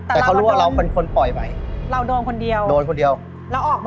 อย่ากลับมาให้เกี่ยวไหม